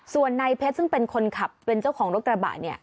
ส่วนนายเพชรซึ่งเป็นคนขับเป็นเจ้าของรถกระบะเนี่ย